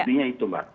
intinya itu mbak